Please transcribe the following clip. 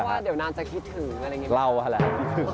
นะว่าเดี๋ยวน้ำจะคิดถึง